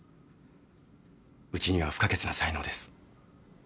うちには不可欠な才能です。